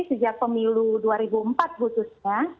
sejak pemilu dua ribu empat khususnya